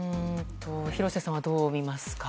廣瀬さんはどう見ますか？